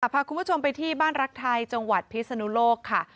พาคุณผู้ชมไปที่บ้านรักไทยจังหวัดพิศนุโลกค่ะ